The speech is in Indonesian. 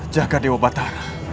jaga dewa batara